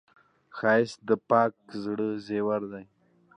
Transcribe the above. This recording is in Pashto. ښایست د پاک زړه زیور دی